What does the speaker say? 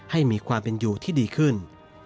ให้มีความเป็นอยู่ที่ดีขึ้น